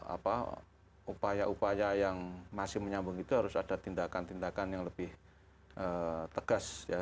apa upaya upaya yang masih menyambung itu harus ada tindakan tindakan yang lebih tegas ya